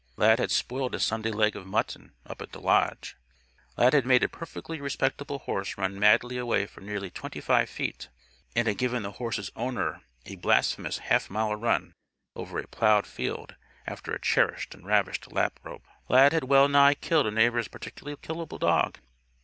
Lad had spoiled a Sunday leg of mutton, up at the Lodge. Lad had made a perfectly respectable horse run madly away for nearly twenty five feet, and had given the horse's owner a blasphemous half mile run over a plowed field after a cherished and ravished lap robe. Lad had well nigh killed a neighbor's particularly killable dog.